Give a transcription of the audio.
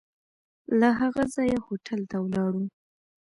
له هغه ځایه هوټل ته ولاړو.